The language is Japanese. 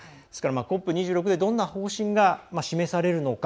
ＣＯＰ２６でどんな方針が示されるのか。